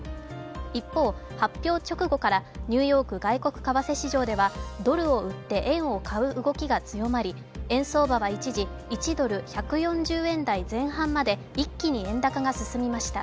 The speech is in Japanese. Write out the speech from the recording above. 一方、発表直後からニューヨーク外国為替市場ではドルを売って円を買う動きが強まり、円相場は一時１ドル＝１４０円台前半まで一気に円高が進みました。